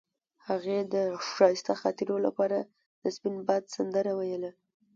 هغې د ښایسته خاطرو لپاره د سپین باد سندره ویله.